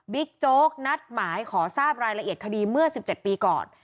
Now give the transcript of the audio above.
โจ๊กนัดหมายขอทราบรายละเอียดคดีเมื่อ๑๗ปีก่อน